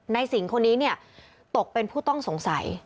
นายสิงห์คนนี้ตกเป็นผู้ต้องสงสัย